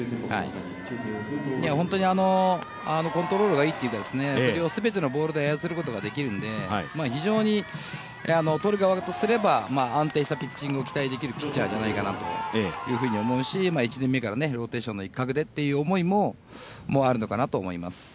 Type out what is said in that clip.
本当にコントロールがいいというか全てのボールを操ることができるので、非常にとる側としては、安定したピッチングを期待できるピッチャーじゃないかなというふうに思うし１年目からローテンションの一角でという思いもあると思います。